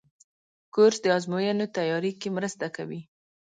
کورس د ازموینو تیاري کې مرسته کوي.